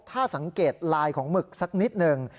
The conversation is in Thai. ถ้าสังเกตลายของหมึกสักนิดหนึ่ง